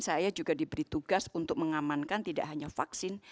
saya juga diberi tugas untuk mengamankan tidak hanya vaksin